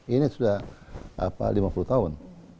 ini sudah lima puluh tahun